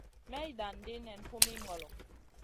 May dan ɗi nen humi ŋolo.